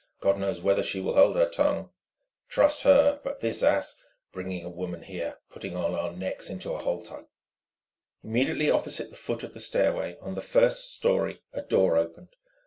God knows whether she will hold her tongue_!" "Trust her! But this ass ..." "Bringing a woman here, putting all our necks into a halter ..." Immediately opposite the foot of the stairway, on the first storey, a door opened.